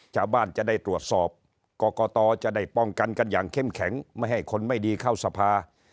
จะได้ตรวจสอบกรกตจะได้ป้องกันกันอย่างเข้มแข็งไม่ให้คนไม่ดีเข้าสภา